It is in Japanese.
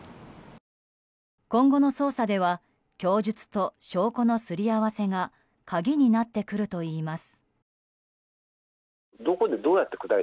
今後の捜査では供述と証拠のすり合わせが鍵になってくるといいます。